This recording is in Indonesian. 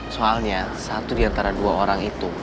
soalnya satu diantara dua orang itu